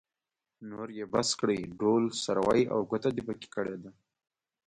نور يې بس کړئ؛ ډول سری او ګوته دې په کې کړې ده.